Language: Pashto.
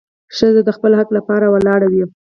ښځه د خپل حق لپاره ولاړه وي.